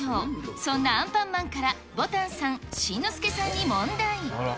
そんなアンパンマンからぼたんさん、新之助さんに問題。